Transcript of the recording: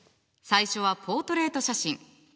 最初はポートレート写真。